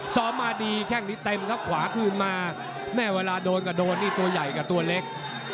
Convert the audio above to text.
ซ้อมมาดีแค่งนี้เต็มครับขวาคืนมาแม่เวลาโดนก็โดนนี่ตัวใหญ่กับตัวเล็ก